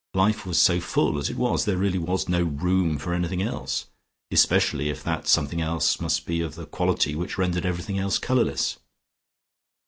Life was so full as it was: there really was no room for anything else, especially if that something else must be of the quality which rendered everything else colourless.